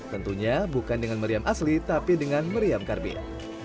tentunya bukan dengan meriam asli tapi dengan meriam karbit